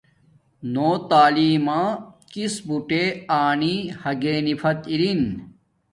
نو تعلیم ما کس بوٹے آنی ھاگینی فت این